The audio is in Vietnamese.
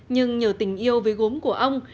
nhưng nhờ tình yêu với gốm của ông